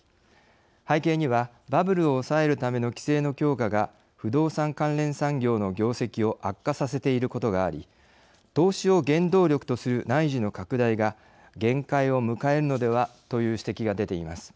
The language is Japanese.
背景にはバブルを抑えるための規制の強化が不動産関連産業の業績を悪化させていることがあり投資を原動力とする内需の拡大が限界を迎えるのではという指摘が出ています。